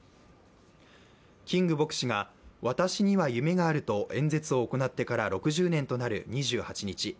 キング牧師が私には夢があると演説を行ってから６０年となる２８日。